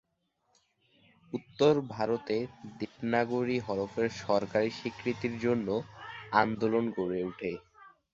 উত্তর ভারতে দেবনাগরী হরফের সরকারি স্বীকৃতির জন্য আন্দোলন গড়ে উঠে।